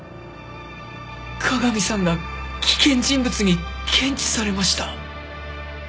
加賀美さんが危険人物に検知されました。